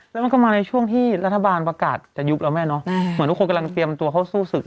แล้วมันก็มาในช่วงที่รัฐบาลประกาศจะยุบแล้วแม่เนาะเหมือนทุกคนกำลังเตรียมตัวเข้าสู้ศึก